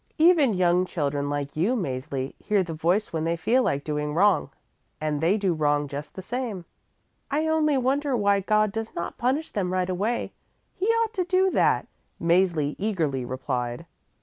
Even young children like you, Mäzli, hear the voice when they feel like doing wrong, and they do wrong just the same." "I only wonder why God does not punish them right away; He ought to do that," Mäzli eagerly replied.